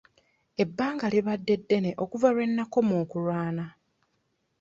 Ebbanga libaddde ddene okuva lwe nakoma okulwana.